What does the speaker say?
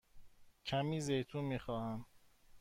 کمی زیتون می خواهم.